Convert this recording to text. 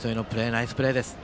ナイスプレーです。